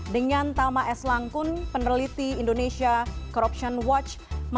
dengan tama s langkun peneliti indonesia corruption watch